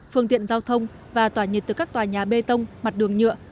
phương tiện giao thông và tỏa nhiệt từ các tòa nhà bê tông mặt đường nhựa